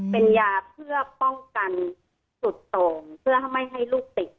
เป็นยาเพื่อป้องกันสุดส่งเพื่อไม่ให้ลูกติด